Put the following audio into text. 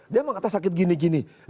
dia mengatakan sakit gini gini